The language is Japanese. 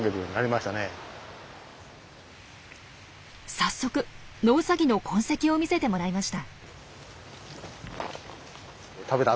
早速ノウサギの痕跡を見せてもらいました。